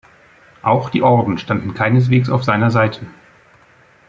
Auch die Orden standen keineswegs auf seiner Seite.